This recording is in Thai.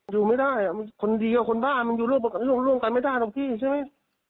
อยู่ไม่ได้คนดีกับคนบ้านมันอยู่ร่วมกันไม่ได้หรอกพี่ใช่ไหม